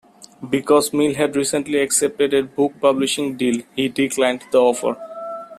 Because Mil had recently accepted a book-publishing deal, he declined the offer.